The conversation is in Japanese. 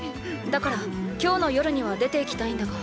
だから今日の夜には出て行きたいんだが。